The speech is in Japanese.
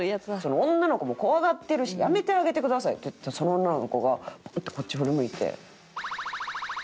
「女の子も怖がってるしやめてあげてください」って言ったらその女の子がバッてこっち振り向いて。